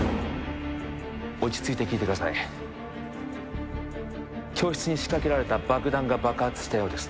落ち着いて聞いてください教室に仕掛けられた爆弾が爆発したようです